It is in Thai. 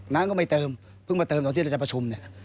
น้ำก็ไม่เติมเพิ่งมาเติมตอนที่เราจะประชุมเนี่ย